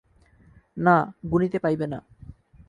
না, গুনিতে পাইবে না।